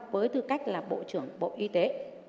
với tư cách là bộ trưởng bộ y tế